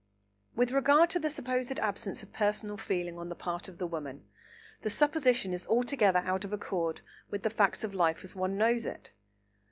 With regard to the supposed absence of personal feeling on the part of the woman, the supposition is altogether out of accord with the facts of life as one knows it.